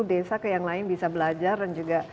desa ke yang lain bisa belajar dan juga